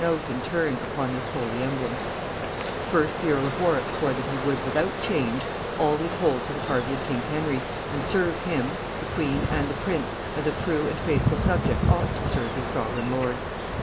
] First, the Earl of Warwick swore that he would, without change, always hold to the party of King Henry, and serve him, the queen, and the prince, as a true and faithful subject ought to serve his sovereign lord.